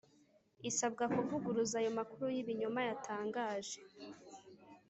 Isabwa kuvuguruza ayo makuru y ibinyoma yatangaje